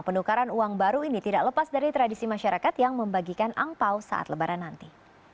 penukaran uang baru ini tidak lepas dari tradisi masyarakat yang membagikan angpao saat lebaran nanti